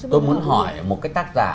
tôi muốn hỏi một tác giả